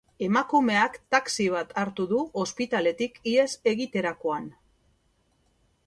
Emakumeak taxi bat hartu du ospitaletik ihes egiterakoan.